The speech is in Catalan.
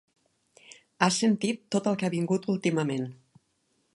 Has sentit tot el que ha vingut últimament.